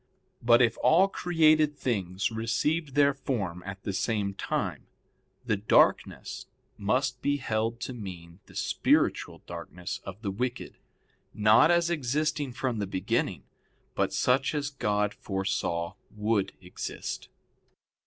But if all created things received their form at the same time, the darkness must be held to mean the spiritual darkness of the wicked, not as existing from the beginning but such as God foresaw would exist.